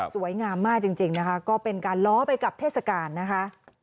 สวยงามมากจริงนะคะก็เป็นการล้อไปกับเทศกาลนะคะ